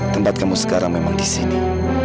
tempat kamu sekarang memang di sini